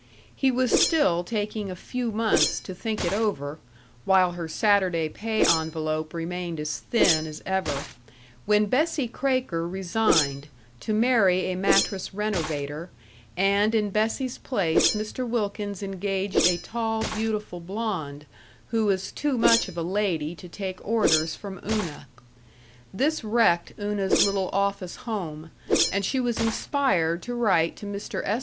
He was still taking a few months to think it over while her Saturday pay envelope remained as thin as ever when Bessie Kraker resigned, to marry a mattress renovator, and in Bessie's place Mr. Wilkins engaged a tall, beautiful blonde, who was too much of a lady to take orders from Una. This wrecked Una's little office home, and she was inspired to write to Mr. S.